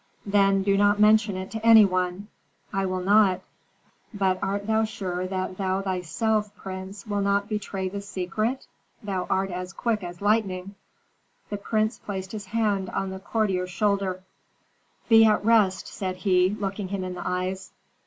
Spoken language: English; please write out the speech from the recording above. "Then do not mention it to any one." "I will not; but art thou sure that thou thyself, prince, wilt not betray the secret? Thou art as quick as lightning." The prince placed his hand on the courtier's shoulder. "Be at rest," said he, looking him in the eyes.